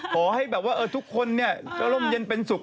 ขอให้แบบว่าทุกคนก็ร่มเย็นเป็นสุข